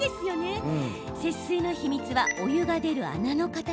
節水の秘密は、お湯が出る穴の形。